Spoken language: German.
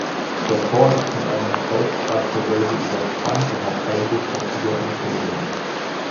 Der Chor ist mit einem Kreuzgratgewölbe überspannt und hat eingeschossige Emporen.